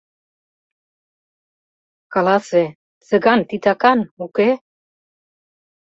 Каласе, Цыган Титакан, уке?